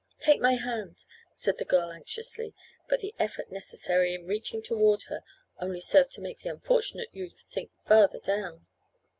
"Take my hand," said the girl anxiously, but the effort necessary in reaching toward her only served to make the unfortunate youth sink farther down.